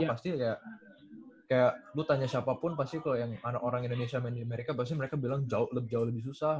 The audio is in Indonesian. pasti kayak lu tanya siapapun pasti kalau yang orang indonesia main di amerika pasti mereka bilang jauh lebih susah